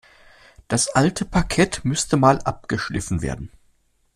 Das alte Parkett müsste Mal abgeschliffen werden.